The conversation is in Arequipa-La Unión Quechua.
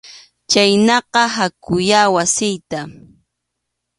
Chhaynaqa hakuyá wasiyta.